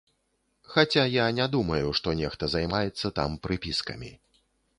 Хаця я не думаю, што нехта займаецца там прыпіскамі.